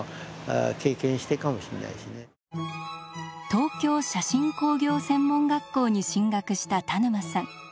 東京写真工業専門学校に進学した田沼さん。